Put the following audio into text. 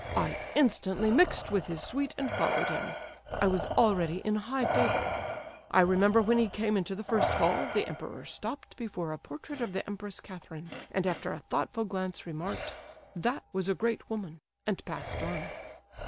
I instantly mixed with his suite, and followed him. I was already in high favour. I remember when he came into the first hall, the emperor stopped before a portrait of the Empress Katherine, and after a thoughtful glance remarked, 'That was a great woman,' and passed on.